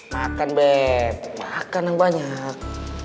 makan bet makan yang banyak